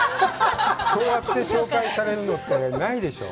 こうやって紹介されるのってないでしょう？